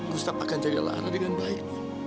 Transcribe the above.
gustaf akan jaga lara dengan baik